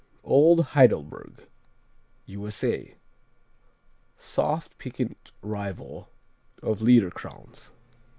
Old Heidelberg U.S.A. Soft, piquant rival of Liederkranz.